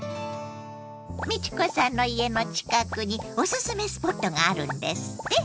美智子さんの家の近くにおすすめスポットがあるんですって？